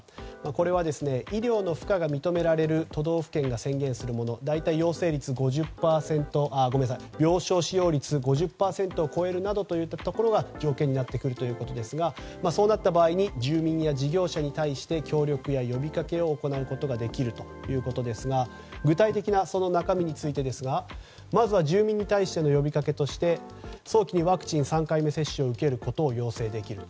これは医療の負荷が認められる都道府県が宣言するもので大体、病床使用率が５０％を超えるなどといったところが条件になってくるということですがそうなった場合に住民や事業者に対して協力や呼びかけを行うことができるということですが具体的な中身についてですがまずは住民に対しての呼びかけとして早期にワクチン３回目接種を受けることを要請できる。